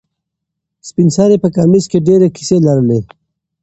سپین سرې په کمیس کې ډېرې کیسې لرلې.